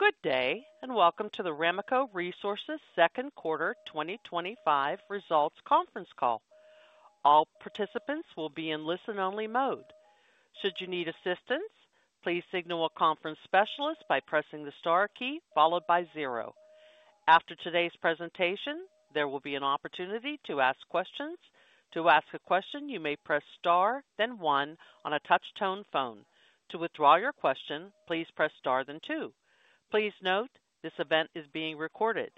Good day and welcome to the Ramaco Resources second quarter 2025 results conference call. All participants will be in listen-only mode. Should you need assistance, please signal a conference specialist by pressing the star key followed by zero. After today's presentation, there will be an opportunity to ask questions. To ask a question, you may press star, then one on a touch-tone phone. To withdraw your question, please press star, then two. Please note this event is being recorded.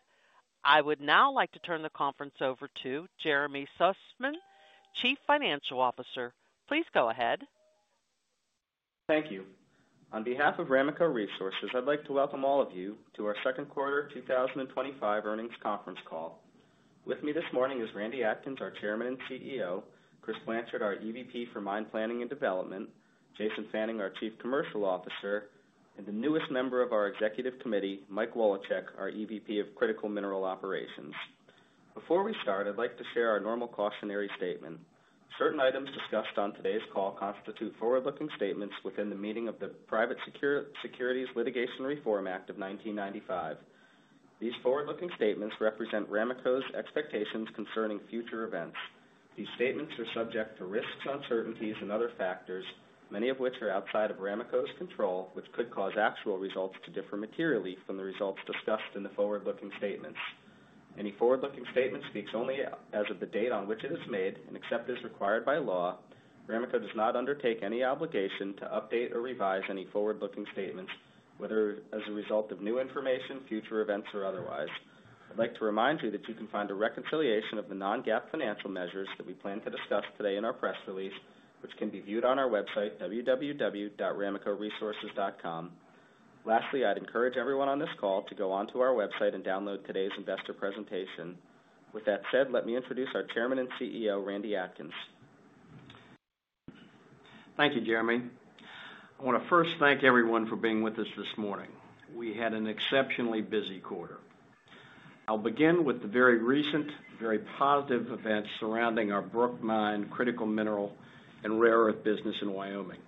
I would now like to turn the conference over to Jeremy Sussman, Chief Financial Officer. Please go ahead. Thank you. On behalf of Ramaco Resources, I'd like to welcome all of you to our second quarter 2025 earnings conference call. With me this morning is Randy Atkins, our Chairman and Chief Executive Officer, Chris Blanchard, our Executive Vice President for Mine Planning and Development, Jason Fannin, our Chief Commercial Officer, and the newest member of our Executive Committee, Mike Woloschuk, our Executive Vice President of Critical Mineral Operations. Before we start, I'd like to share our normal cautionary statement. Certain items discussed on today's call constitute forward-looking statements within the meaning of the Private Securities Litigation Reform Act of 1995. These forward-looking statements represent Ramaco's expectations concerning future events. These statements are subject to risks, uncertainties, and other factors, many of which are outside of Ramaco's control, which could cause actual results to differ materially from the results discussed in the forward-looking statements. Any forward-looking statement speaks only as of the date on which it is made and except as required by law, Ramaco does not undertake any obligation to update or revise any forward-looking statements, whether as a result of new information, future events, or otherwise. I'd like to remind you that you can find a reconciliation of the non-GAAP financial measures that we plan to discuss today in our press release, which can be viewed on our website, www.ramacoresources.com. Lastly, I'd encourage everyone on this call to go onto our website and download today's investor presentation. With that said, let me introduce our Chairman and CEO, Randy Atkins. Thank you, Jeremy. I want to first thank everyone for being with us this morning. We had an exceptionally busy quarter. I'll begin with the very recent, very positive events surrounding our Brook Mine critical mineral and rare earth business in Wyoming.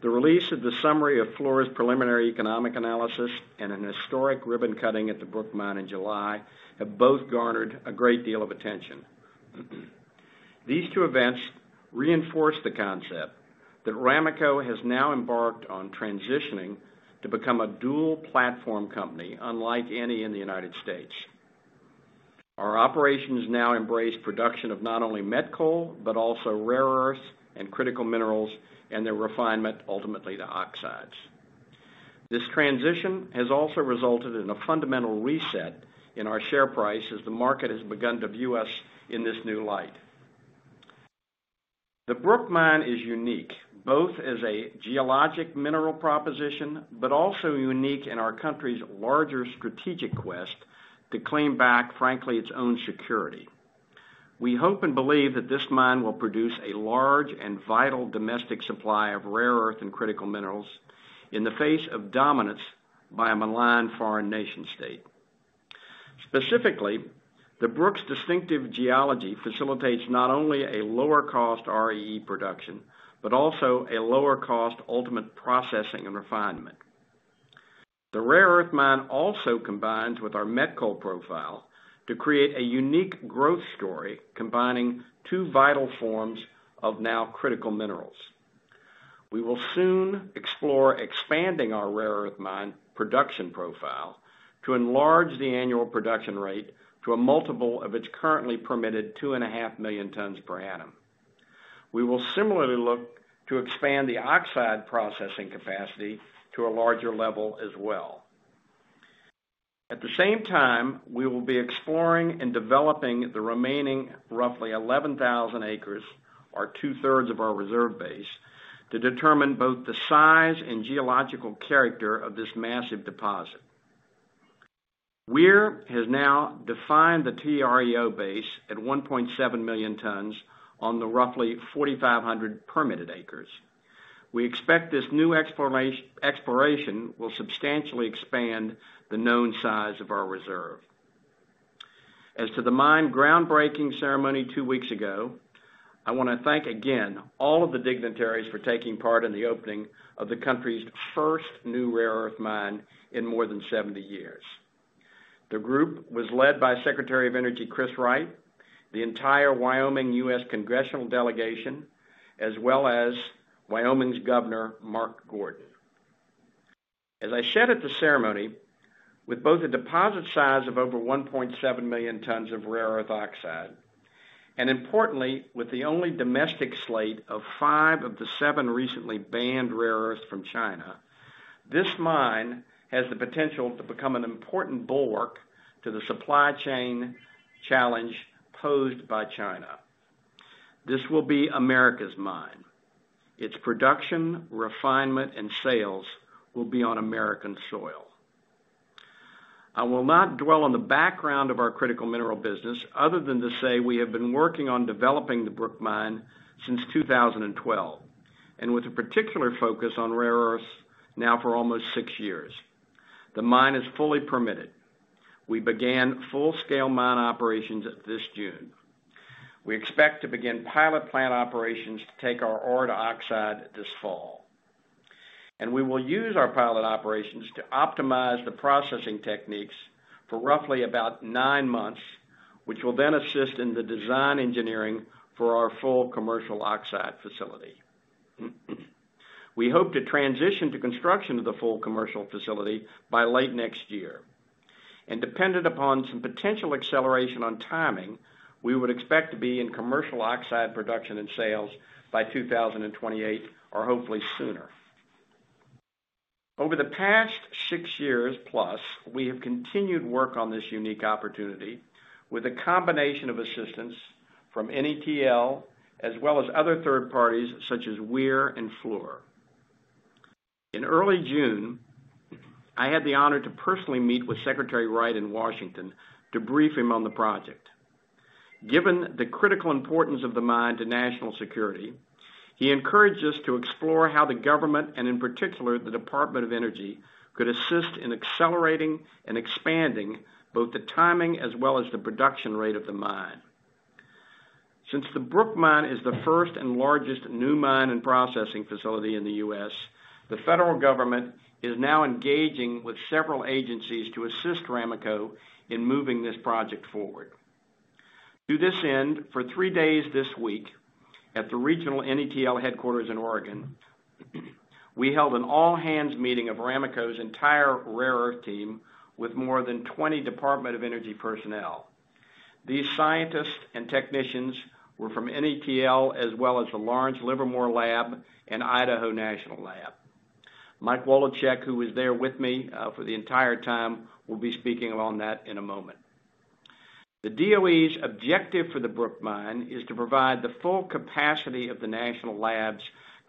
The release of the summary of Fluor's preliminary economic analysis and an historic ribbon cutting at the Brook Mine in July have both garnered a great deal of attention. These two events reinforce the concept that Ramaco has now embarked on transitioning to become a dual-platform company, unlike any in the United States. Our operations now embrace production of not only met coal, but also rare earths and critical minerals and their refinement, ultimately to oxides. This transition has also resulted in a fundamental reset in our share price as the market has begun to view us in this new light. The Brook Mine is unique both as a geologic mineral proposition, but also unique in our country's larger strategic quest to claim back, frankly, its own security. We hope and believe that this mine will produce a large and vital domestic supply of rare earth and critical minerals in the face of dominance by a malign foreign nation state. Specifically, the Brook's distinctive geology facilitates not only a lower-cost rare earth element production, but also a lower-cost ultimate processing and refinement. The rare earth mine also combines with our met coal profile to create a unique growth story combining two vital forms of now critical minerals. We will soon explore expanding our rare earth mine production profile to enlarge the annual production rate to a multiple of its currently permitted 2.5 million tons per annum. We will similarly look to expand the oxide processing capacity to a larger level as well. At the same time, we will be exploring and developing the remaining roughly 11,000 acres, or two-thirds of our reserve base, to determine both the size and geological character of this massive deposit. We have now defined the total rare earth oxide base at 1.7 million tons on the roughly 4,500 permitted acres. We expect this new exploration will substantially expand the known size of our reserve. As to the mine groundbreaking ceremony two weeks ago, I want to thank again all of the dignitaries for taking part in the opening of the country's first new rare earth mine in more than 70 years. The group was led by Secretary of Energy Chris Wright, the entire Wyoming U.S. Congressional delegation, as well as Wyoming's Governor Mark Gordon. As I said at the ceremony, with both a deposit size of over 1.7 million tons of rare earth oxide, and importantly, with the only domestic slate of five of the seven recently banned rare earths from China, this mine has the potential to become an important bulwark to the supply chain challenge posed by China. This will be America's mine. Its production, refinement, and sales will be on American soil. I will not dwell on the background of our critical mineral business other than to say we have been working on developing the Brook Mine since 2012, and with a particular focus on rare earths now for almost six years. The mine is fully permitted. We began full-scale mine operations this June. We expect to begin pilot plant operations to take our ore to oxide this fall. We will use our pilot operations to optimize the processing techniques for roughly about nine months, which will then assist in the design engineering for our full commercial oxide facility. We hope to transition to construction of the full commercial facility by late next year. Dependent upon some potential acceleration on timing, we would expect to be in commercial oxide production and sales by 2028, or hopefully sooner. Over the past six years plus, we have continued work on this unique opportunity with a combination of assistance from NETL, as well as other third parties such as Fluor. In early June, I had the honor to personally meet with Secretary Wright in Washington to brief him on the project. Given the critical importance of the mine to national security, he encouraged us to explore how the government, and in particular the U.S. Department of Energy, could assist in accelerating and expanding both the timing as well as the production rate of the mine. Since the Brook Mine is the first and largest new mine and processing facility in the U.S., the federal government is now engaging with several agencies to assist Ramaco in moving this project forward. To this end, for three days this week at the regional NETL headquarters in Oregon, we held an all-hands meeting of Ramaco's entire rare earth team with more than 20 Department of Energy personnel. These scientists and technicians were from NETL, as well as the Lawrence Livermore Lab and Idaho National Lab. Mike Woloschuk, who was there with me for the entire time, will be speaking on that in a moment. The DOE's objective for the Brook Mine is to provide the full capacity of the National Energy Technology Laboratory's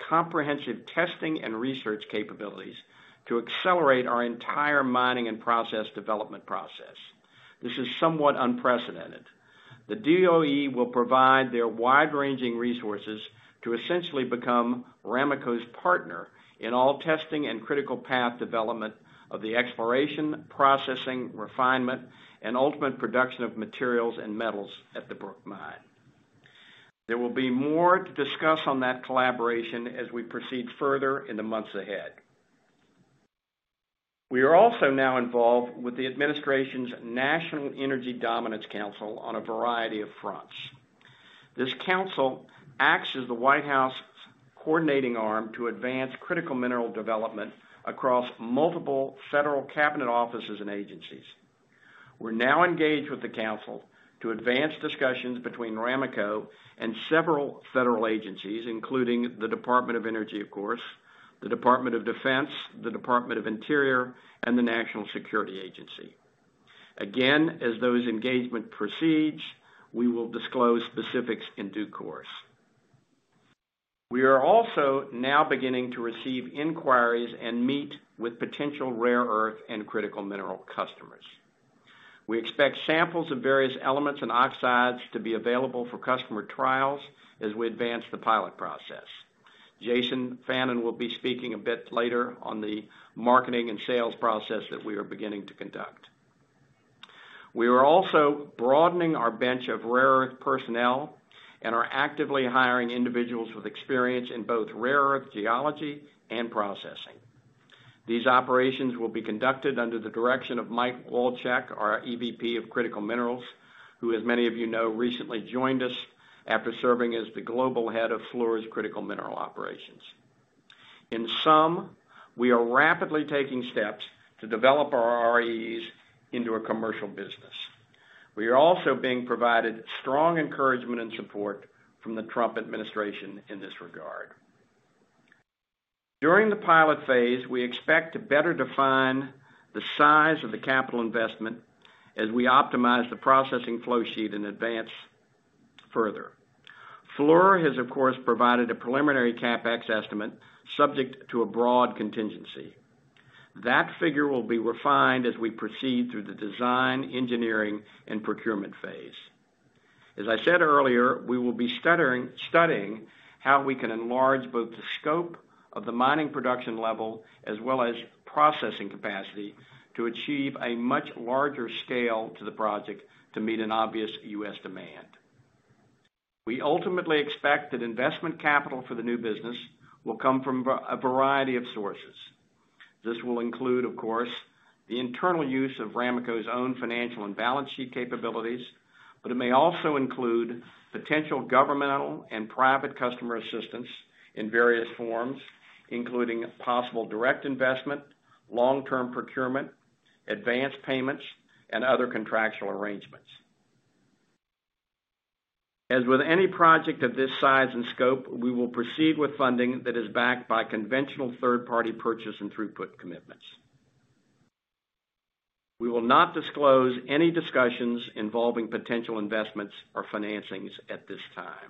comprehensive testing and research capabilities to accelerate our entire mining and process development process. This is somewhat unprecedented. The DOE will provide their wide-ranging resources to essentially become Ramaco's partner in all testing and critical path development of the exploration, processing, refinement, and ultimate production of materials and metals at the Brook Mine. There will be more to discuss on that collaboration as we proceed further in the months ahead. We are also now involved with the administration's National Energy Dominance Council on a variety of fronts. This council acts as the White House's coordinating arm to advance critical mineral development across multiple federal cabinet offices and agencies. We're now engaged with the council to advance discussions between Ramaco and several federal agencies, including the Department of Energy, of course, the Department of Defense, the Department of Interior, and the National Security Agency. Again, as those engagement proceeds, we will disclose specifics in due course. We are also now beginning to receive inquiries and meet with potential rare earth and critical mineral customers. We expect samples of various elements and oxides to be available for customer trials as we advance the pilot process. Jason Fannin will be speaking a bit later on the marketing and sales process that we are beginning to conduct. We are also broadening our bench of rare earth personnel and are actively hiring individuals with experience in both rare earth geology and processing. These operations will be conducted under the direction of Mike Woloschuk, our Executive Vice President of Critical Minerals, who, as many of you know, recently joined us after serving as the global head of Fluor's Critical Mineral Operations. In sum, we are rapidly taking steps to develop our rare earth elements into a commercial business. We are also being provided strong encouragement and support from the Trump administration in this regard. During the pilot phase, we expect to better define the size of the capital investment as we optimize the processing flow sheet and advance further. Fluor has, of course, provided a preliminary CapEx estimate subject to a broad contingency. That figure will be refined as we proceed through the design, engineering, and procurement phase. As I said earlier, we will be studying how we can enlarge both the scope of the mining production level as well as processing capacity to achieve a much larger scale to the project to meet an obvious U.S. demand. We ultimately expect that investment capital for the new business will come from a variety of sources. This will include, of course, the internal use of Ramaco's own financial and balance sheet capabilities, but it may also include potential governmental and private customer assistance in various forms, including possible direct investment, long-term procurement, advanced payments, and other contractual arrangements. As with any project of this size and scope, we will proceed with funding that is backed by conventional third-party purchase and throughput commitments. We will not disclose any discussions involving potential investments or financings at this time.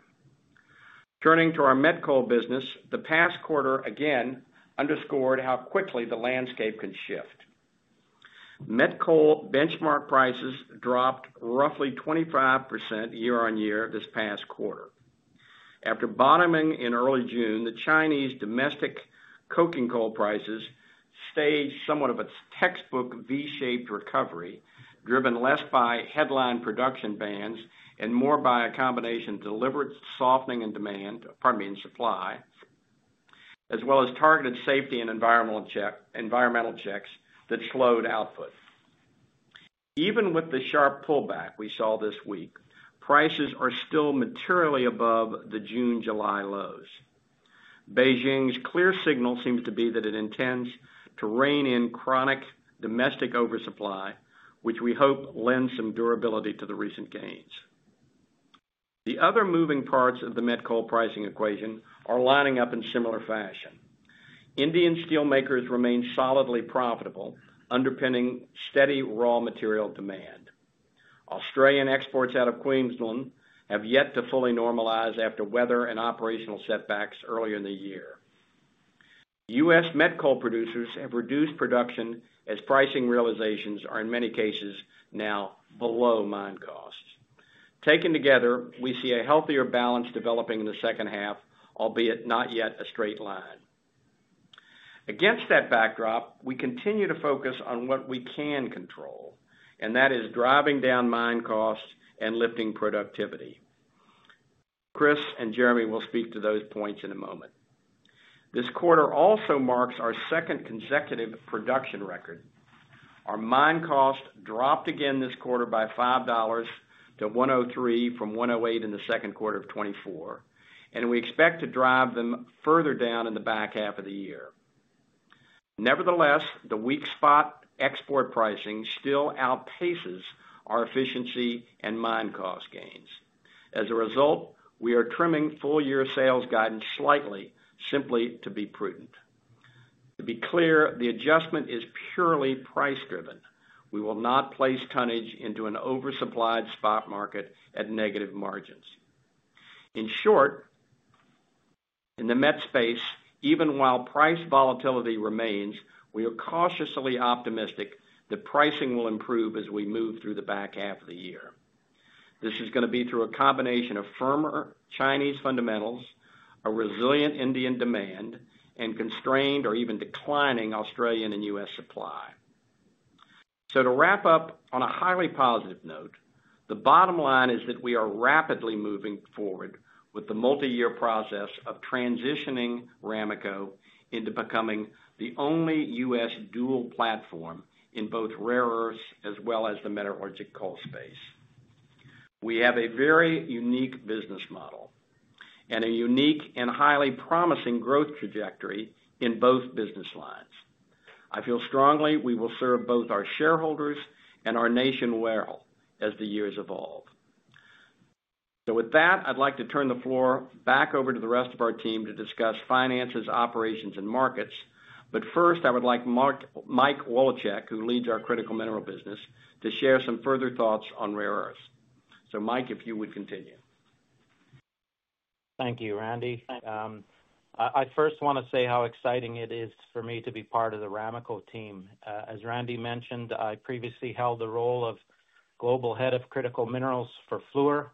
Turning to our met coal business, the past quarter again underscored how quickly the landscape can shift. Met coal benchmark prices dropped roughly 25% year-on-year this past quarter. After bottoming in early June, the Chinese domestic coking coal prices staged somewhat of a textbook V-shaped recovery, driven less by headline production bans and more by a combination of deliberate softening in supply, as well as targeted safety and environmental checks that slowed output. Even with the sharp pullback we saw this week, prices are still materially above the June/July lows. Beijing's clear signal seems to be that it intends to rein in chronic domestic oversupply, which we hope lends some durability to the recent gains. The other moving parts of the met coal pricing equation are lining up in similar fashion. Indian steelmakers remain solidly profitable, underpinning steady raw material demand. Australian exports out of Queensland have yet to fully normalize after weather and operational setbacks earlier in the year. U.S. met coal producers have reduced production as pricing realizations are in many cases now below mine costs. Taken together, we see a healthier balance developing in the second half, albeit not yet a straight line. Against that backdrop, we continue to focus on what we can control, and that is driving down mine costs and lifting productivity. Chris and Jeremy will speak to those points in a moment. This quarter also marks our second consecutive production record. Our mine cost dropped again this quarter by $5 to $103 from $108 in the second quarter of 2024, and we expect to drive them further down in the back half of the year. Nevertheless, the weak spot export pricing still outpaces our efficiency and mine cost gains. As a result, we are trimming full-year sales guidance slightly, simply to be prudent. To be clear, the adjustment is purely price-driven. We will not place tonnage into an oversupplied spot market at negative margins. In short, in the met space, even while price volatility remains, we are cautiously optimistic that pricing will improve as we move through the back half of the year. This is going to be through a combination of firmer Chinese fundamentals, a resilient Indian demand, and constrained or even declining Australian and U.S. supply. To wrap up on a highly positive note, the bottom line is that we are rapidly moving forward with the multi-year process of transitioning Ramaco into becoming the only U.S. dual platform in both rare earths as well as the metallurgical coal space. We have a very unique business model and a unique and highly promising growth trajectory in both business lines. I feel strongly we will serve both our shareholders and our nation well as the years evolve. With that, I'd like to turn the floor back over to the rest of our team to discuss finances, operations, and markets. First, I would like Mike Woloschuk, who leads our critical mineral business, to share some further thoughts on rare earths. Mike, if you would continue. Thank you, Randy. I first want to say how exciting it is for me to be part of the Ramaco team. As Randy mentioned, I previously held the role of Global Head of Critical Minerals for Fluor,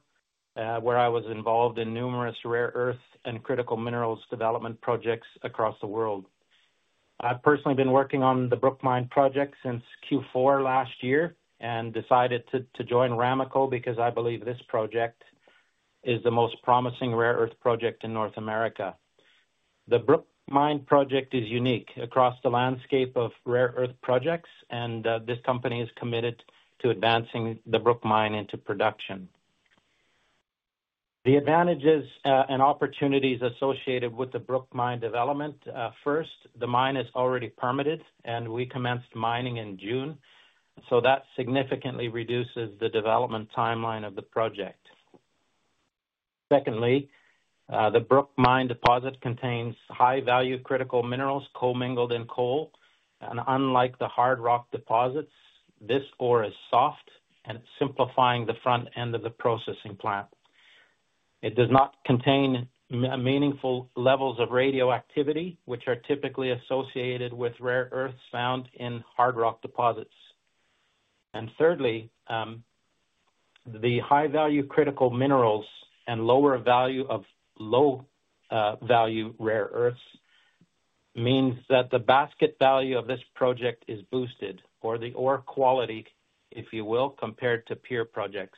where I was involved in numerous rare earth and critical minerals development projects across the world. I've personally been working on the Brook Mine project since Q4 last year and decided to join Ramaco because I believe this project is the most promising rare earth project in North America. The Brook Mine project is unique across the landscape of rare earth projects, and this company is committed to advancing the Brook Mine into production. The advantages and opportunities associated with the Brook Mine development are, first, the mine is already permitted, and we commenced mining in June, so that significantly reduces the development timeline of the project. Secondly, the Brook Mine deposit contains high-value critical minerals co-mingled in coal, and unlike the hard rock deposits, this ore is soft, simplifying the front end of the processing plant. It does not contain meaningful levels of radioactivity, which are typically associated with rare earths found in hard rock deposits. Thirdly, the high-value critical minerals and lower value of low-value rare earths mean that the basket value of this project is boosted, or the ore quality, if you will, compared to peer projects.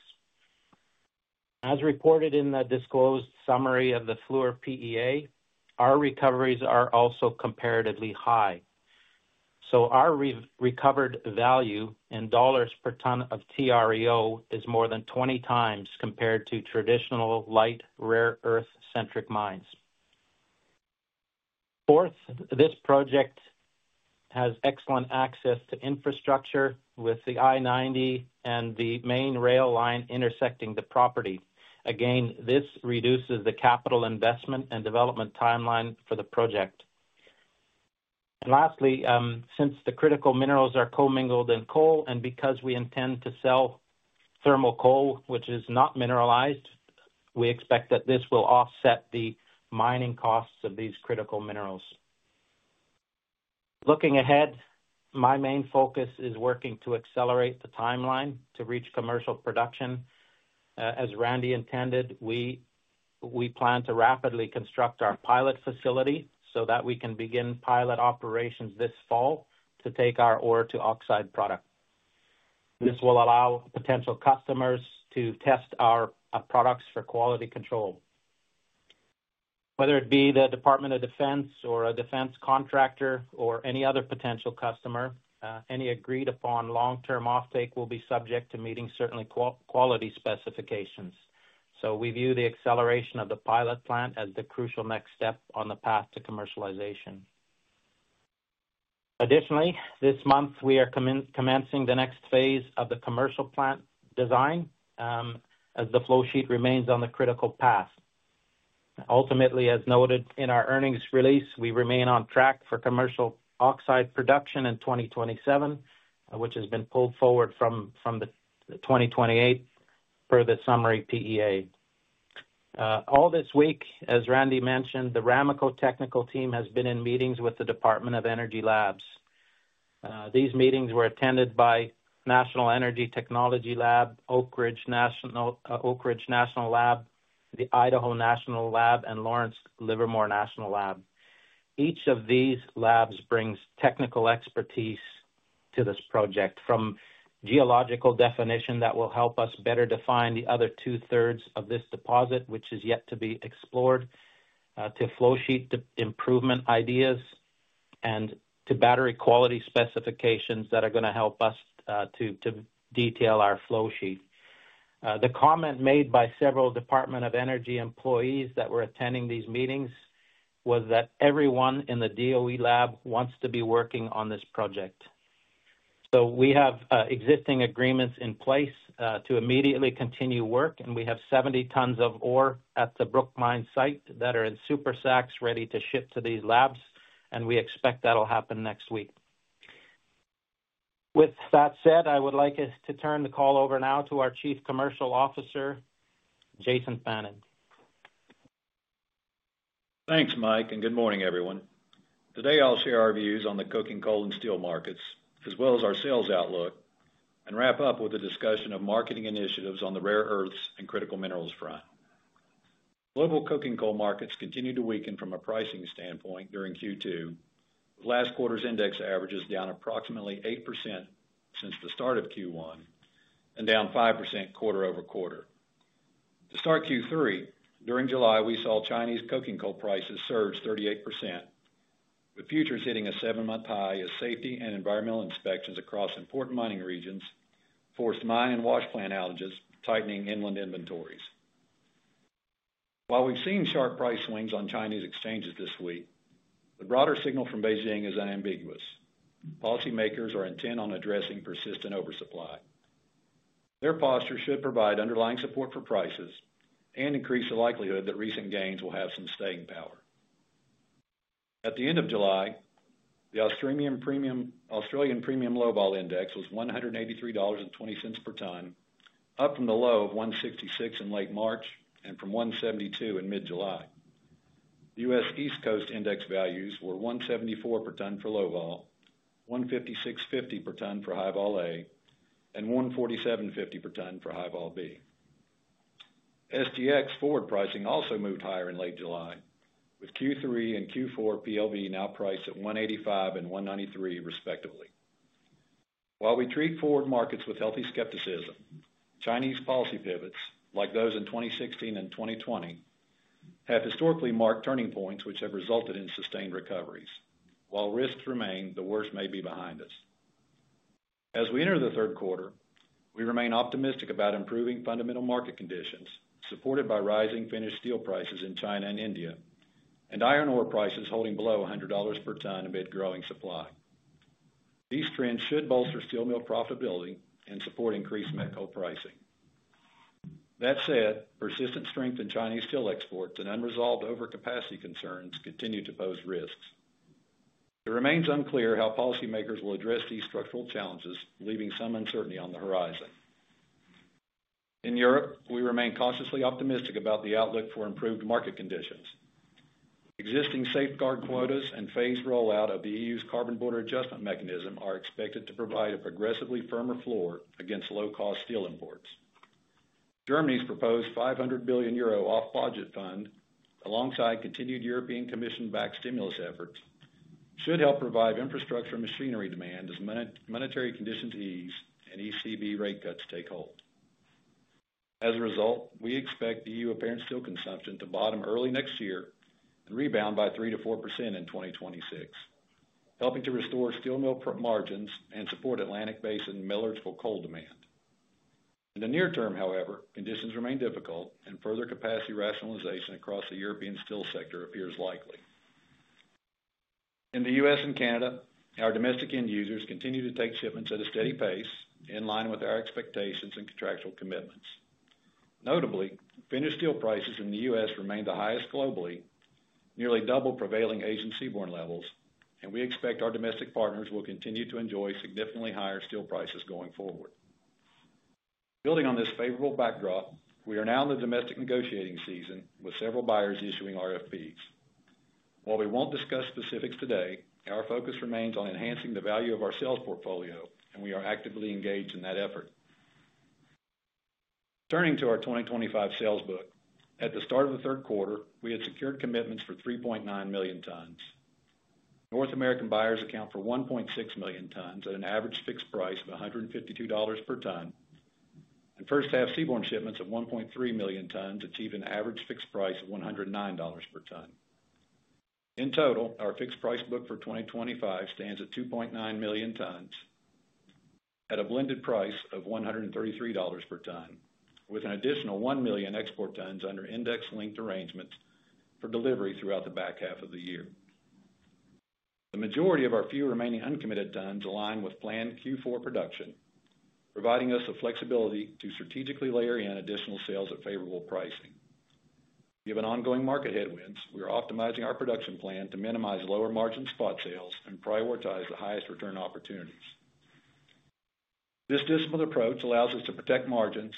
As reported in the disclosed summary of the Fluor PEA, our recoveries are also comparatively high. Our recovered value in dollars per ton of TREO is more than 20 times compared to traditional light rare earth-centric mines. Fourth, this project has excellent access to infrastructure with the I-90 and the main rail line intersecting the property. This reduces the capital investment and development timeline for the project. Lastly, since the critical minerals are co-mingled in coal, and because we intend to sell thermal coal, which is not mineralized, we expect that this will offset the mining costs of these critical minerals. Looking ahead, my main focus is working to accelerate the timeline to reach commercial production. As Randy intended, we plan to rapidly construct our pilot facility so that we can begin pilot operations this fall to take our ore to oxide product. This will allow potential customers to test our products for quality control. Whether it be the Department of Defense or a defense contractor or any other potential customer, any agreed-upon long-term offtake will be subject to meeting certain quality specifications. We view the acceleration of the pilot plant as the crucial next step on the path to commercialization. Additionally, this month, we are commencing the next phase of the commercial plant design as the flow sheet remains on the critical path. Ultimately, as noted in our earnings release, we remain on track for commercial oxide production in 2027, which has been pulled forward from 2028 per the summary PEA. This week, as Randy mentioned, the Ramaco technical team has been in meetings with the Department of Energy Labs. These meetings were attended by National Energy Technology Laboratory, Oak Ridge National Laboratory, the Idaho National Laboratory, and Lawrence Livermore National Laboratory. Each of these labs brings technical expertise to this project, from geological definition that will help us better define the other 2/3 of this deposit, which is yet to be explored, to flow sheet improvement ideas, and to battery quality specifications that are going to help us to detail our flow sheet. The comment made by several Department of Energy employees that were attending these meetings was that everyone in the U.S. Department of Energy lab wants to be working on this project. We have existing agreements in place to immediately continue work, and we have 70 tons of ore at the Brook Mine site that are in super sacks ready to ship to these labs, and we expect that'll happen next week. With that said, I would like us to turn the call over now to our Chief Commercial Officer, Jason Fannin. Thanks, Mike, and good morning, everyone. Today, I'll share our views on the coking coal and steel markets, as well as our sales outlook, and wrap up with a discussion of marketing initiatives on the rare earths and critical minerals front. Global coking coal markets continued to weaken from a pricing standpoint during Q2. Last quarter's index average is down approximately 8% since the start of Q1 and down 5% quarter over quarter. To start Q3, during July, we saw Chinese coking coal prices surge 38%, with futures hitting a seven-month high as safety and environmental inspections across important mining regions forced mine and wash plant outages, tightening inland inventories. While we've seen sharp price swings on Chinese exchanges this week, the broader signal from Beijing is ambiguous. Policymakers are intent on addressing persistent oversupply. Their posture should provide underlying support for prices and increase the likelihood that recent gains will have some staying power. At the end of July, the Australian Premium Low Vol Index was $183.20 per ton, up from the low of $166 in late March and from $172 in mid-July. The U.S. East Coast Index values were $174 per ton for low vol, $156.50 per ton for high vol A, and $147.50 per ton for high vol B. SGX forward pricing also moved higher in late July, with Q3 and Q4 PLV now priced at $185 and $193, respectively. While we treat forward markets with healthy skepticism, Chinese policy pivots, like those in 2016 and 2020, have historically marked turning points which have resulted in sustained recoveries. While risks remain, the worst may be behind us. As we enter the third quarter, we remain optimistic about improving fundamental market conditions, supported by rising finished steel prices in China and India, and iron ore prices holding below $100 per ton amid growing supply. These trends should bolster steel mill profitability and support increased met coal pricing. That said, persistent strength in Chinese steel exports and unresolved overcapacity concerns continue to pose risks. It remains unclear how policymakers will address these structural challenges, leaving some uncertainty on the horizon. In Europe, we remain cautiously optimistic about the outlook for improved market conditions. Existing safeguard quotas and phased rollout of the EU's carbon border adjustment mechanism are expected to provide a progressively firmer floor against low-cost steel imports. Germany's proposed €500 billion off-budget fund, alongside continued European Commission-backed stimulus efforts, should help revive infrastructure and machinery demand as monetary conditions ease and ECB rate cuts take hold. As a result, we expect EU apparent steel consumption to bottom early next year and rebound by 3% to 4% in 2026, helping to restore steel mill margins and support Atlantic Basin millers for coal demand. In the near term, however, conditions remain difficult, and further capacity rationalization across the European steel sector appears likely. In the U.S. and Canada, our domestic end users continue to take shipments at a steady pace, in line with our expectations and contractual commitments. Notably, finished steel prices in the U.S. remain the highest globally, nearly double prevailing Asian seaborne levels, and we expect our domestic partners will continue to enjoy significantly higher steel prices going forward. Building on this favorable backdrop, we are now in the domestic negotiating season with several buyers issuing RFPs. While we won't discuss specifics today, our focus remains on enhancing the value of our sales portfolio, and we are actively engaged in that effort. Turning to our 2025 sales book, at the start of the third quarter, we had secured commitments for 3.9 million tons. North American buyers account for 1.6 million tons at an average fixed price of $152 per ton, and first-half seaborne shipments of 1.3 million tons achieved an average fixed price of $109 per ton. In total, our fixed price book for 2025 stands at 2.9 million tons at a blended price of $133 per ton, with an additional 1 million export tons under index-linked arrangements for delivery throughout the back half of the year. The majority of our few remaining uncommitted tons align with planned Q4 production, providing us the flexibility to strategically layer in additional sales at favorable pricing. Given ongoing market headwinds, we are optimizing our production plan to minimize lower margin spot sales and prioritize the highest return opportunities. This disciplined approach allows us to protect margins,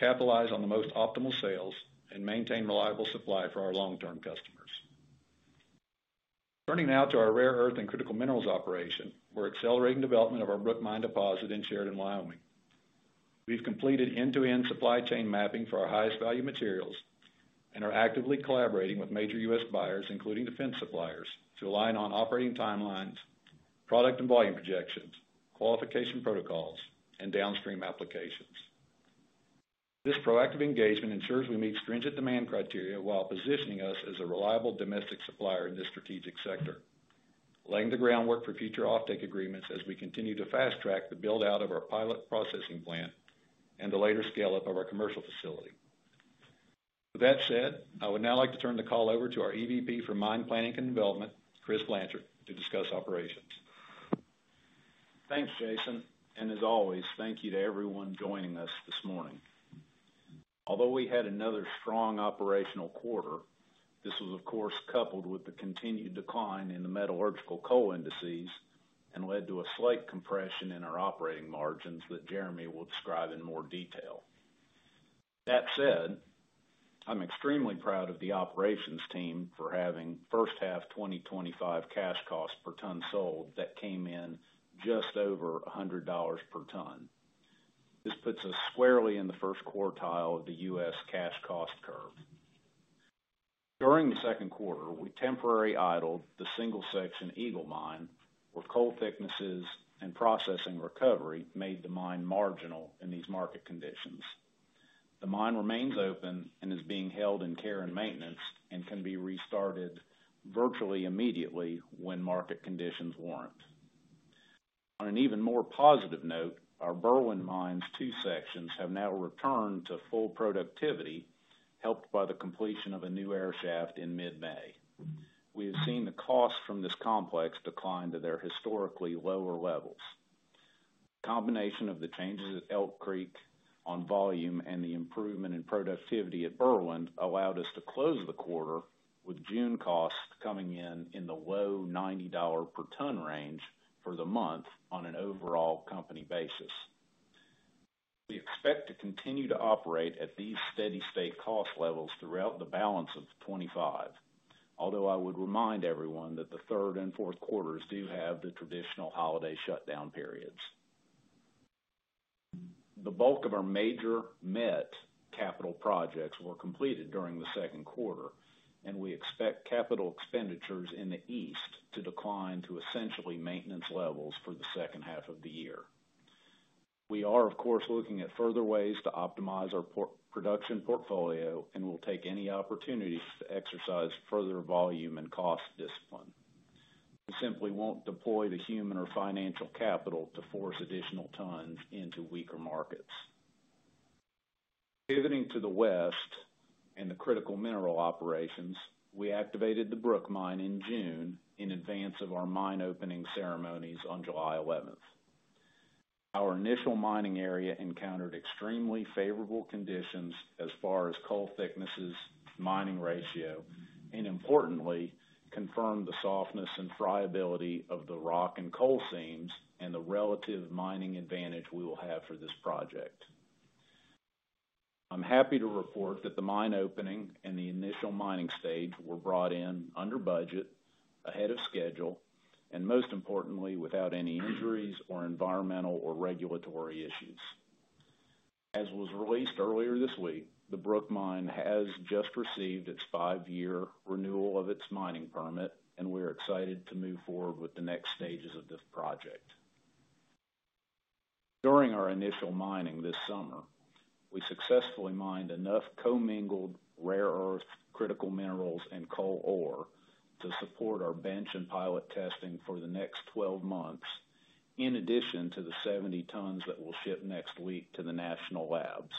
capitalize on the most optimal sales, and maintain reliable supply for our long-term customers. Turning now to our rare earth and critical minerals operation, we're accelerating development of our Brook Mine deposit in Sheridan, Wyoming. We've completed end-to-end supply chain mapping for our highest value materials and are actively collaborating with major U.S. buyers, including defense suppliers, to align on operating timelines, product and volume projections, qualification protocols, and downstream applications. This proactive engagement ensures we meet stringent demand criteria while positioning us as a reliable domestic supplier in this strategic sector, laying the groundwork for future offtake agreements as we continue to fast-track the build-out of our pilot processing plant and the later scale-up of our commercial facility. With that said, I would now like to turn the call over to our Executive Vice President for Mine Planning and Development, Chris Blanchard, to discuss operations. Thanks, Jason, and as always, thank you to everyone joining us this morning. Although we had another strong operational quarter, this was, of course, coupled with the continued decline in the metallurgical coal indices and led to a slight compression in our operating margins that Jeremy will describe in more detail. That said, I'm extremely proud of the operations team for having first-half 2025 cash cost per ton sold that came in just over $100 per ton. This puts us squarely in the first quartile of the U.S. cash cost curve. During the second quarter, we temporarily idled the single-section Eagle Mine, where coal thicknesses and processing recovery made the mine marginal in these market conditions. The mine remains open and is being held in care and maintenance and can be restarted virtually immediately when market conditions warrant. On an even more positive note, our Berwind Mines two sections have now returned to full productivity, helped by the completion of a new air shaft in mid-May. We have seen the costs from this complex decline to their historically lower levels. The combination of the changes at Elk Creek on volume and the improvement in productivity at Berwind allowed us to close the quarter with June costs coming in in the low $90 per ton range for the month on an overall company basis. We expect to continue to operate at these steady state cost levels throughout the balance of 2025, although I would remind everyone that the third and fourth quarters do have the traditional holiday shutdown periods. The bulk of our major met capital projects were completed during the second quarter, and we expect capital expenditures in the east to decline to essentially maintenance levels for the second half of the year. We are, of course, looking at further ways to optimize our production portfolio and will take any opportunities to exercise further volume and cost discipline. We simply won't deploy the human or financial capital to force additional tons into weaker markets. Pivoting to the west and the critical mineral operations, we activated the Brook Mine in June in advance of our mine opening ceremonies on July 11. Our initial mining area encountered extremely favorable conditions as far as coal thicknesses, mining ratio, and importantly, confirmed the softness and friability of the rock and coal seams and the relative mining advantage we will have for this project. I'm happy to report that the mine opening and the initial mining stage were brought in under budget, ahead of schedule, and most importantly, without any injuries or environmental or regulatory issues. As was released earlier this week, the Brook Mine has just received its five-year renewal of its mining permit, and we're excited to move forward with the next stages of this project. During our initial mining this summer, we successfully mined enough co-mingled rare earth, critical minerals, and coal ore to support our bench and pilot testing for the next 12 months, in addition to the 70 tons that will ship next week to the national labs.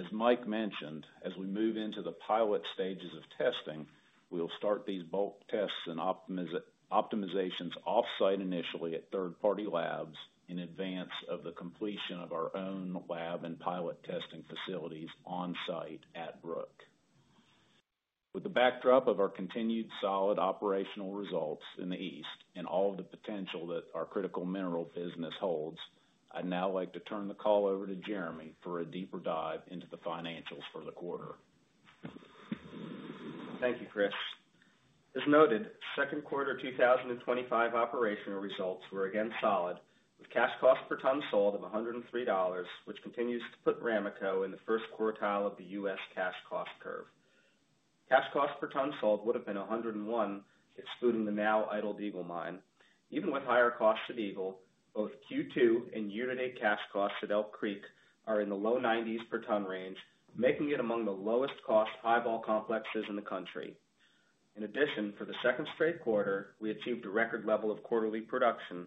As Mike mentioned, as we move into the pilot stages of testing, we'll start these bulk tests and optimizations offsite initially at third-party labs in advance of the completion of our own lab and pilot testing facilities onsite at Brook. With the backdrop of our continued solid operational results in the east and all of the potential that our critical mineral business holds, I'd now like to turn the call over to Jeremy for a deeper dive into the financials for the quarter. Thank you, Chris. As noted, second quarter 2025 operational results were again solid, with cash cost per ton sold of $103, which continues to put Ramaco in the first quartile of the U.S. cash cost curve. Cash cost per ton sold would have been $101, excluding the now idled Eagle Mine. Even with higher costs at Eagle, both Q2 and year-to-date cash costs at Elk Creek are in the low $90s per ton range, making it among the lowest cost high vol complexes in the country. In addition, for the second straight quarter, we achieved a record level of quarterly production.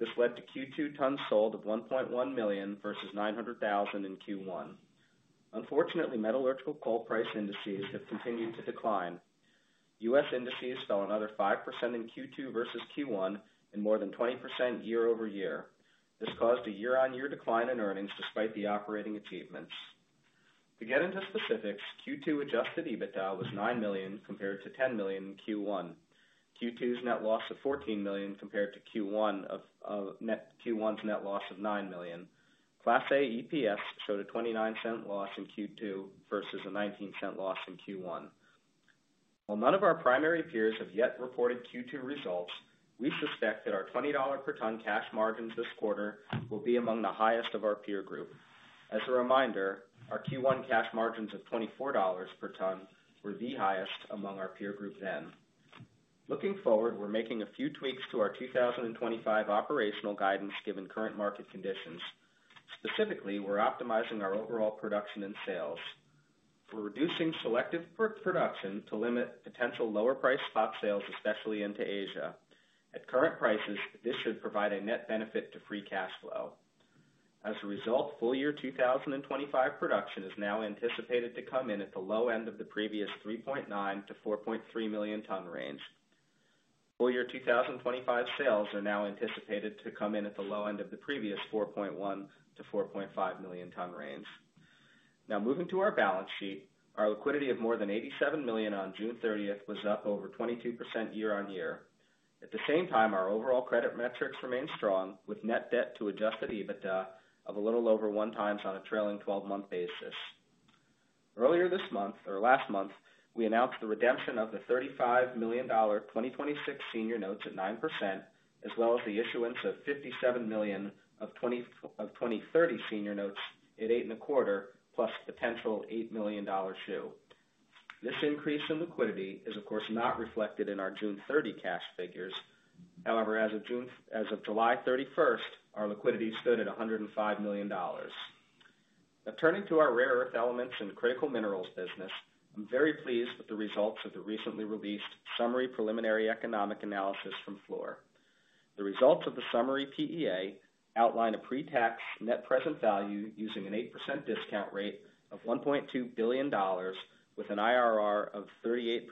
This led to Q2 tons sold of $1.1 million versus $900,000 in Q1. Unfortunately, metallurgical coal price indices have continued to decline. U.S. indices fell another 5% in Q2 versus Q1 and more than 20% year-over-year. This caused a year-on-year decline in earnings despite the operating achievements. To get into specifics, Q2 adjusted EBITDA was $9 million compared to $10 million in Q1. Q2's net loss of $14 million compared to Q1's net loss of $9 million. Class A EPS showed a $0.29 loss in Q2 versus a $0.19 loss in Q1. While none of our primary peers have yet reported Q2 results, we suspect that our $20 per ton cash margins this quarter will be among the highest of our peer group. As a reminder, our Q1 cash margins of $24 per ton were the highest among our peer group then. Looking forward, we're making a few tweaks to our 2025 operational guidance given current market conditions. Specifically, we're optimizing our overall production and sales. We're reducing selective production to limit potential lower price stock sales, especially into Asia. At current prices, this should provide a net benefit to free cash flow. As a result, full-year 2025 production is now anticipated to come in at the low end of the previous 3.9 to 4.3 million ton range. Full-year 2025 sales are now anticipated to come in at the low end of the previous 4.1 to 4.5 million ton range. Now, moving to our balance sheet, our liquidity of more than $87 million on June 30th was up over 22% year on year. At the same time, our overall credit metrics remain strong, with net debt to adjusted EBITDA of a little over one times on a trailing 12-month basis. Earlier this month, or last month, we announced the redemption of the $35 million 2026 senior notes at 9%, as well as the issuance of $57 million of 2030 senior notes at 8.25%, plus the potential $8 million shoe. This increase in liquidity is, of course, not reflected in our June 30 cash figures. However, as of July 31st, our liquidity stood at $105 million. Now, turning to our rare earth elements and critical minerals business, I'm very pleased with the results of the recently released summary preliminary economic analysis from Fluor. The results of the summary PEA outline a pre-tax net present value using an 8% discount rate of $1.2 billion, with an IRR of 38%,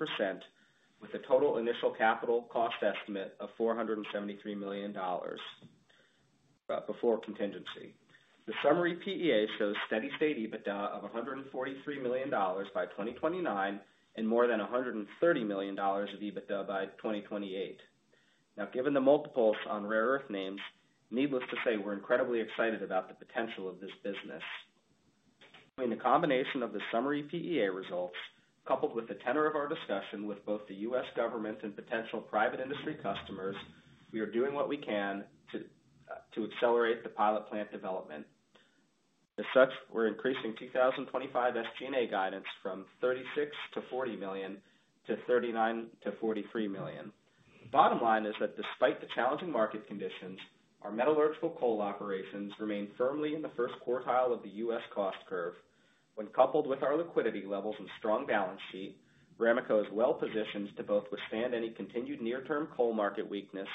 with a total initial capital cost estimate of $473 million, but before contingency. The summary PEA shows steady-state EBITDA of $143 million by 2029 and more than $130 million of EBITDA by 2028. Now, given the multiples on rare earth names, needless to say, we're incredibly excited about the potential of this business. In the combination of the summary PEA results, coupled with the tenor of our discussion with both the U.S. government and potential private industry customers, we are doing what we can to accelerate the pilot plant development. As such, we're increasing 2025 SG&A guidance from $36 to $40 million to $39 to $43 million. The bottom line is that despite the challenging market conditions, our metallurgical coal operations remain firmly in the first quartile of the U.S. cost curve. When coupled with our liquidity levels and strong balance sheet, Ramaco is well-positioned to both withstand any continued near-term coal market weakness,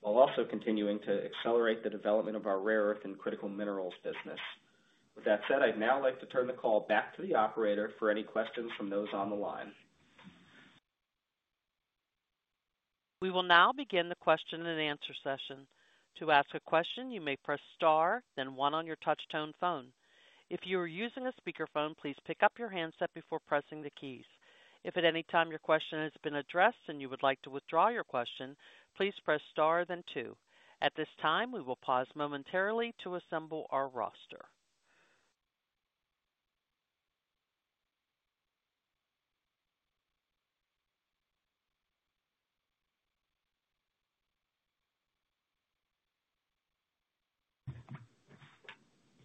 while also continuing to accelerate the development of our rare earth and critical minerals business. With that said, I'd now like to turn the call back to the operator for any questions from those on the line. We will now begin the question and answer session. To ask a question, you may press star, then one on your touch-tone phone. If you are using a speakerphone, please pick up your handset before pressing the keys. If at any time your question has been addressed and you would like to withdraw your question, please press star, then two. At this time, we will pause momentarily to assemble our roster.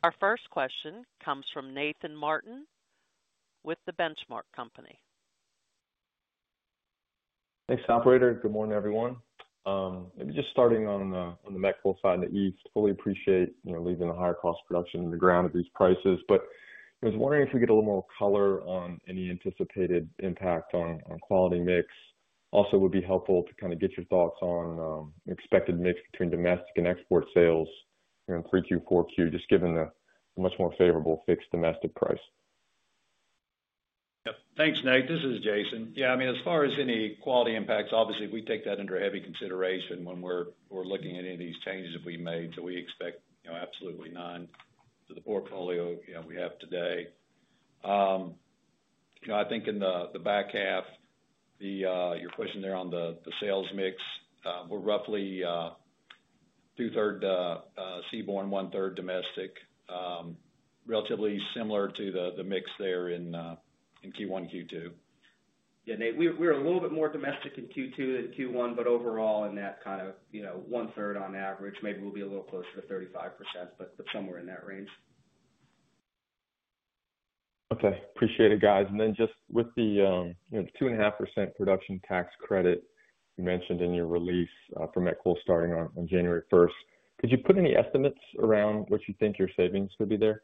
Our first question comes from Nathan Martin with The Benchmark Company. Thanks, operator. Good morning, everyone. Maybe just starting on the met coal side in the east, fully appreciate leaving the higher cost production in the ground at these prices. I was wondering if we get a little more color on any anticipated impact on quality mix. Also, it would be helpful to kind of get your thoughts on the expected mix between domestic and export sales in Q3, Q4, Q2, just given the much more favorable fixed domestic price. Thanks, Nate. This is Jason. As far as any quality impacts, we take that under heavy consideration when we're looking at any of these changes that we made. We expect absolutely none to the portfolio we have today. I think in the back half, you're pushing there on the sales mix. We're roughly 2/3 seaborne, 1/3 domestic, relatively similar to the mix in Q1, Q2. Yeah, Nate. We're a little bit more domestic in Q2 than Q1, but overall in that kind of, you know, 1/3 on average. Maybe we'll be a little closer to 35%, but somewhere in that range. Okay. Appreciate it, guys. With the, you know, it's 2.5% production tax credit you mentioned in your release for met coal starting on January 1st. Could you put any estimates around what you think your savings would be there?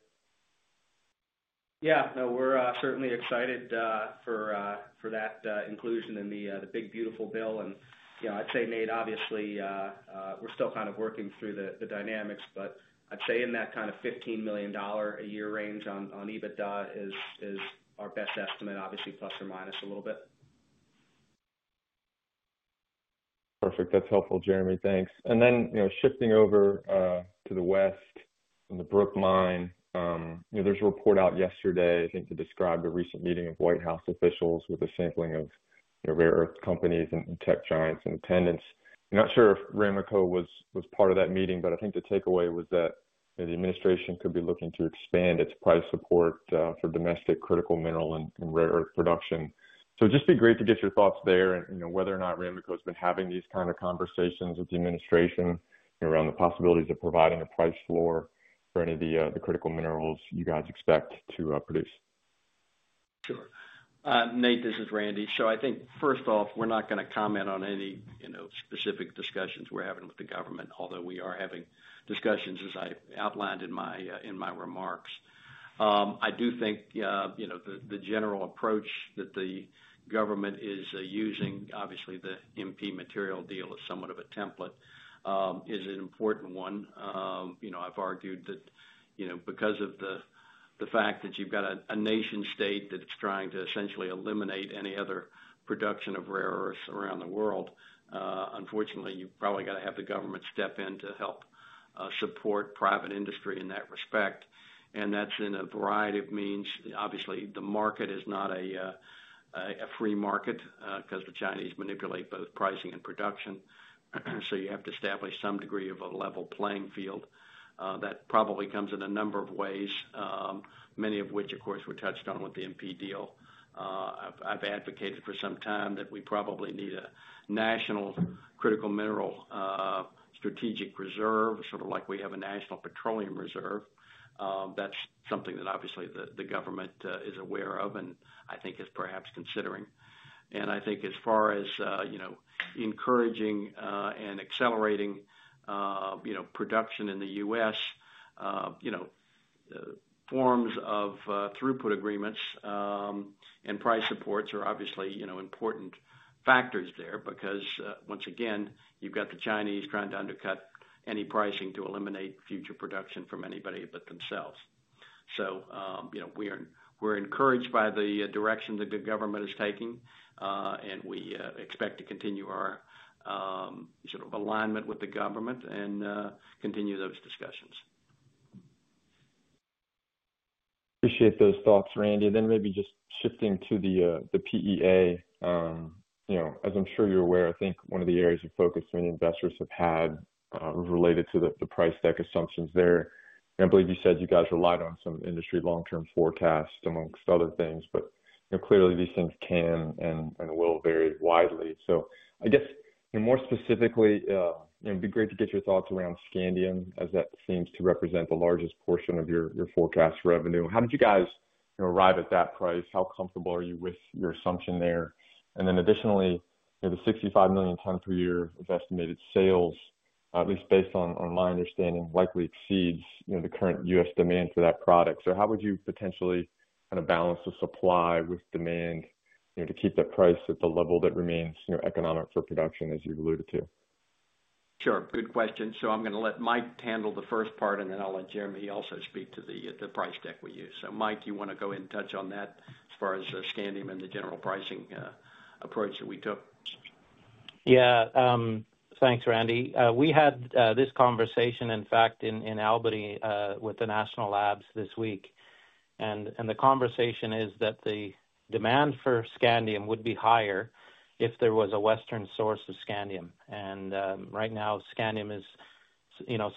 Yeah. No, we're certainly excited for that inclusion in the big, beautiful bill. I'd say, Nate, obviously, we're still kind of working through the dynamics, but I'd say in that kind of $15 million a year range on EBITDA is our best estimate, obviously, plus or minus a little bit. Perfect. That's helpful, Jeremy. Thanks. Shifting over to the west and the Brook Mine, there's a report out yesterday, I think, to describe the recent meeting of White House officials with a sampling of rare earth companies and tech giants in attendance. I'm not sure if Ramaco was part of that meeting, but I think the takeaway was that the administration could be looking to expand its price support for domestic critical mineral and rare earth production. It'd just be great to get your thoughts there, whether or not Ramaco's been having these kinds of conversations with the administration around the possibilities of providing a price floor for any of the critical minerals you guys expect to produce. Sure. Nate, this is Randy. I think first off, we're not going to comment on any specific discussions we're having with the government, although we are having discussions, as I outlined in my remarks. I do think the general approach that the government is using, obviously, the MP Materials deal is somewhat of a template, is an important one. I've argued that because of the fact that you've got a nation-state that is trying to essentially eliminate any other production of rare earths around the world, unfortunately, you probably got to have the government step in to help support private industry in that respect. That's in a variety of means. Obviously, the market is not a free market because the Chinese manipulate both pricing and production. You have to establish some degree of a level playing field. That probably comes in a number of ways, many of which, of course, were touched on with the MP deal. I've advocated for some time that we probably need a national critical mineral strategic reserve, sort of like we have a national petroleum reserve. That's something that obviously the government is aware of and I think is perhaps considering. I think as far as encouraging and accelerating production in the U.S., forms of throughput agreements and price supports are obviously important factors there because once again, you've got the Chinese trying to undercut any pricing to eliminate future production from anybody but themselves. We're encouraged by the direction that the government is taking, and we expect to continue our sort of alignment with the government and continue those discussions. Appreciate those thoughts, Randy. Maybe just shifting to the PEA, as I'm sure you're aware, I think one of the areas of focus many investors have had related to the price stack assumptions there. I believe you said you guys relied on some industry long-term forecasts among other things, but clearly these things can and will vary widely. I guess more specifically, it'd be great to get your thoughts around Scandium, as that seems to represent the largest portion of your forecast revenue. How did you guys arrive at that price? How comfortable are you with your assumption there? Additionally, the $65 million per year of estimated sales, at least based on my understanding, likely exceeds the current U.S. demand for that product. How would you potentially kind of balance the supply with demand to keep that price at the level that remains economic for production, as you alluded to? Sure. Good question. I'm going to let Mike handle the first part, and then I'll let Jeremy also speak to the price stack we use. Mike, you want to go ahead and touch on that as far as Scandium and the general pricing approach that we took? Yeah. Thanks, Randy. We had this conversation, in fact, in Albany with the national labs this week. The conversation is that the demand for Scandium would be higher if there was a Western source of Scandium. Right now, Scandium is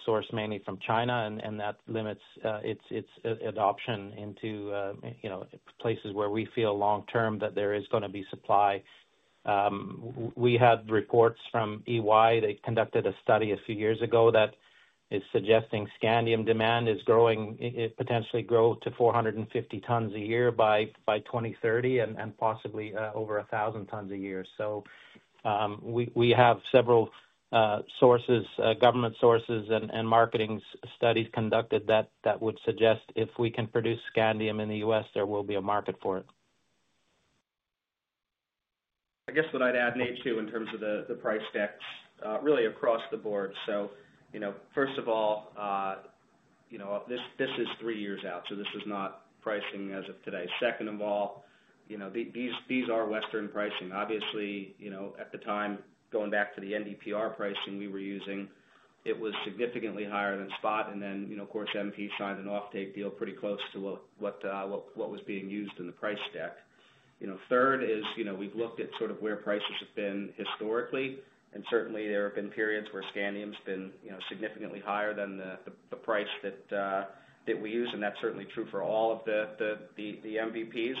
sourced mainly from China, and that limits its adoption into places where we feel long-term that there is going to be supply. We had reports from EY that conducted a study a few years ago that is suggesting Scandium demand is growing, potentially grow to 450 tons a year by 2030 and possibly over 1,000 tons a year. We have several sources, government sources, and marketing studies conducted that would suggest if we can produce Scandium in the U.S., there will be a market for it. I guess what I'd add, Nate, too, in terms of the price stacks, really across the board. First of all, this is three years out, so this is not pricing as of today. Second of all, these are Western pricing. Obviously, at the time, going back to the NdPr pricing we were using, it was significantly higher than spot. Of course, MP signed an offtake deal pretty close to what was being used in the price stack. Third is, we've looked at sort of where prices have been historically, and certainly there have been periods where Scandium's been significantly higher than the price that we use, and that's certainly true for all of the MVPs.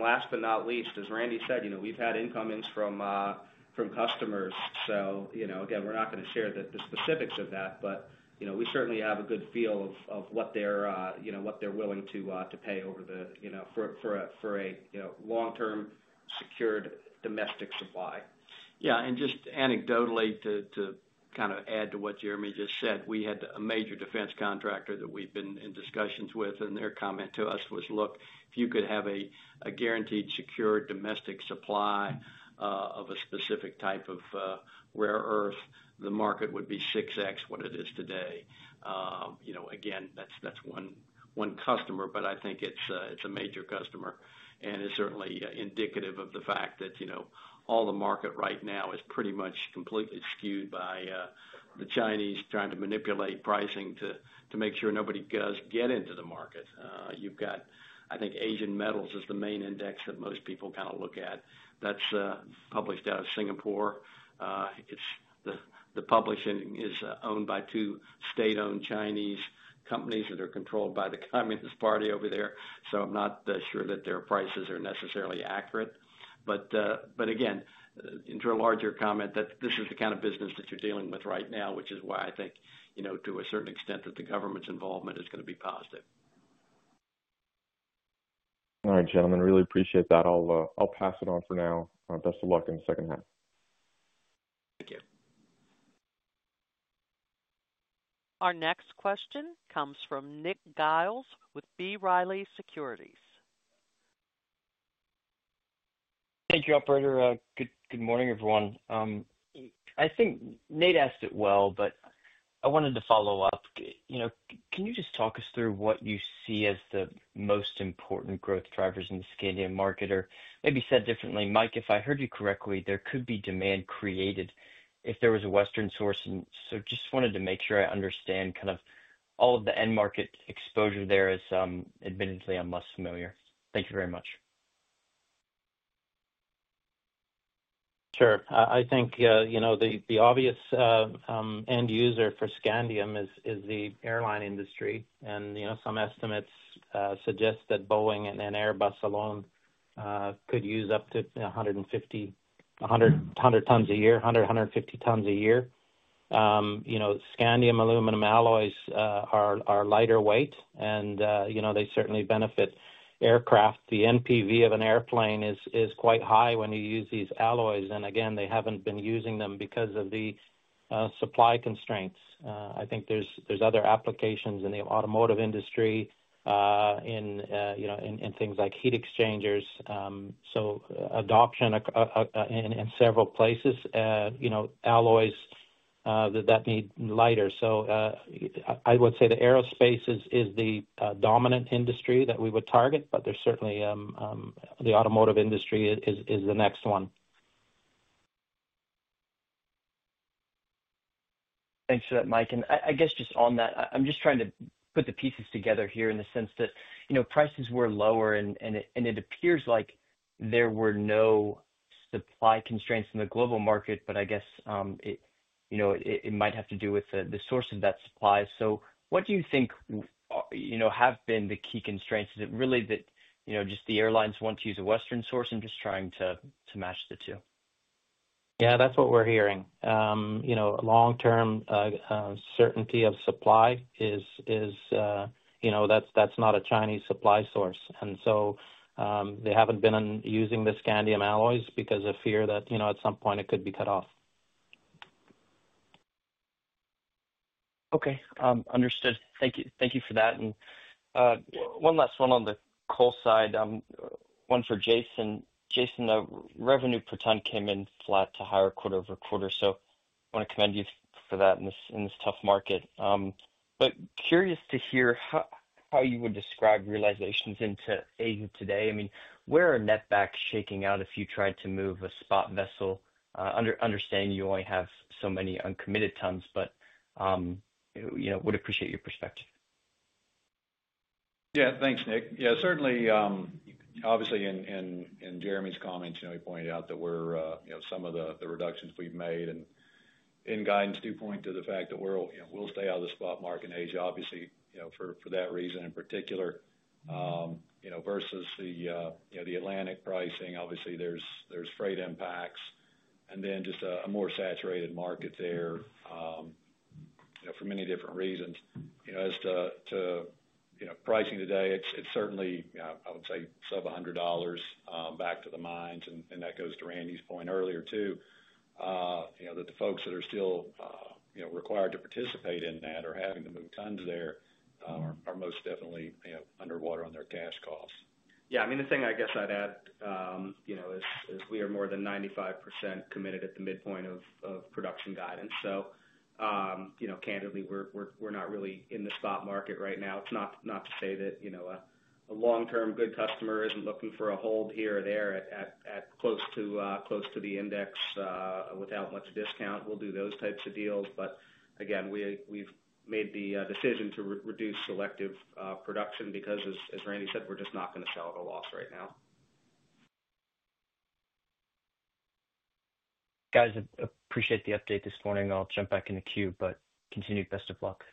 Last but not least, as Randy said, we've had incomings from customers. Again, we're not going to share the specifics of that, but we certainly have a good feel of what they're willing to pay for a long-term secured domestic supply. Yeah. Just anecdotally, to kind of add to what Jeremy just said, we had a major defense contractor that we've been in discussions with, and their comment to us was, look, if you could have a guaranteed secure domestic supply of a specific type of rare earth, the market would be sixth what it is today. Again, that's one customer, but I think it's a major customer and is certainly indicative of the fact that all the market right now is pretty much completely skewed by the Chinese trying to manipulate pricing to make sure nobody does get into the market. You've got, I think, Asian Metal is the main index that most people kind of look at. That's published out of Singapore. The publishing is owned by two state-owned Chinese companies that are controlled by the Communist Party over there. I'm not sure that their prices are necessarily accurate. Again, to a larger comment, this is the kind of business that you're dealing with right now, which is why I think, to a certain extent, that the government's involvement is going to be positive. All right, gentlemen, really appreciate that. I'll pass it on for now. Best of luck in the second half. Thank you. Our next question comes from Nick Giles with B. Riley Securities. Thank you, operator. Good morning, everyone. I think Nate asked it well, but I wanted to follow up. You know, can you just talk us through what you see as the most important growth drivers in the Scandium market? Or maybe said differently, Mike, if I heard you correctly, there could be demand created if there was a Western source. I just wanted to make sure I understand kind of all of the end market exposure there as admittedly I'm less familiar. Thank you very much. Sure. I think the obvious end user for Scandium is the airline industry. Some estimates suggest that Boeing and Airbus alone could use up to 150 tons a year, 100, 150 tons a year. Scandium aluminum alloys are lighter weight, and they certainly benefit aircraft. The NPV of an airplane is quite high when you use these alloys. They haven't been using them because of the supply constraints. I think there's other applications in the automotive industry in things like heat exchangers. Adoption in several places, alloys that need lighter. I would say the aerospace is the dominant industry that we would target, but there's certainly the automotive industry is the next one. Thanks for that, Mike. I guess just on that, I'm just trying to put the pieces together here in the sense that, you know, prices were lower and it appears like there were no supply constraints in the global market. I guess, you know, it might have to do with the source of that supply. What do you think have been the key constraints? Is it really that just the airlines want to use a Western source and just trying to match the two? Yeah, that's what we're hearing. You know, long-term certainty of supply is, you know, that's not a Chinese supply source. They haven't been using the Scandium alloys because of fear that, you know, at some point it could be cut off. Okay, understood. Thank you for that. One last one on the coal side, one for Jason. Jason, revenue per ton came in flat to higher quarter over quarter. I want to commend you for that in this tough market. Curious to hear how you would describe realizations into Asia today. Where are net backs shaking out if you tried to move a spot vessel? Understanding you only have so many uncommitted tons, but would appreciate your perspective. Yeah, thanks, Nick. Certainly, obviously in Jeremy's comments, he pointed out that we're, you know, some of the reductions we've made in guidance do point to the fact that we'll stay out of the spot market in Asia, obviously for that reason in particular, versus the Atlantic pricing. Obviously, there's freight impacts and then just a more saturated market there for many different reasons. As to pricing today, it's certainly, I would say, sub $100 back to the mines. That goes to Randy's point earlier too, that the folks that are still required to participate in that or having to move tons there are most definitely underwater on their cash costs. Yeah, I mean, the thing I guess I'd add, you know, is we are more than 95% committed at the midpoint of production guidance. So, you know, candidly, we're not really in the spot market right now. It's not to say that, you know, a long-term good customer isn't looking for a hold here or there at close to the index without much discount. We'll do those types of deals. Again, we've made the decision to reduce selective production because, as Randy said, we're just not going to sell at a loss right now. Guys, I appreciate the update this morning. I'll jump back in the queue, but continued best of luck.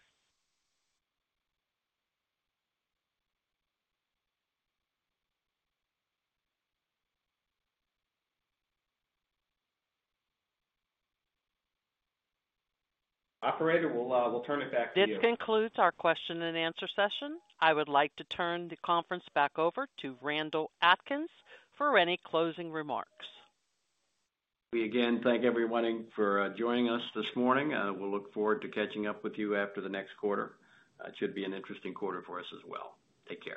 Operator, we'll turn it back to you. This concludes our question and answer session. I would like to turn the conference back over to Randall Atkins for any closing remarks. We again thank everyone for joining us this morning. We'll look forward to catching up with you after the next quarter. It should be an interesting quarter for us as well. Take care.